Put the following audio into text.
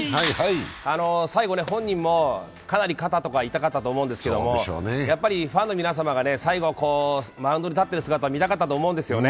最後、本人もかなり肩とか痛かったと思うんですけど、ファンの皆様が最後、マウンドに立ってる姿を見たかったと思うんですよね。